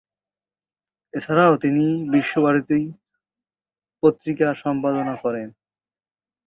এছাড়াও তিনি বিশ্বভারতী পত্রিকার সম্পাদনা করেন।